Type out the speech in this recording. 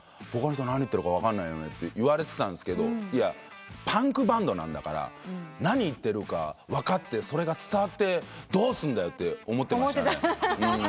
「ボーカルの人何言ってるか分かんないよね」って言われてたんですけどパンクバンドなんだから何言ってるか分かってそれが伝わってどうすんだよって思ってましたね。